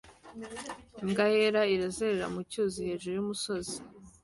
Imbwa yera irazerera mu cyuzi hejuru y'umusozi